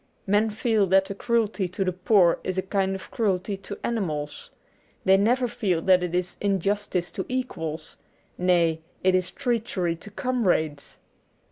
Men feel that the cruelty to the poor is a kind of cruelty to animals. They never feel that it is injustice to equals ; nay, it is treachery to comrades.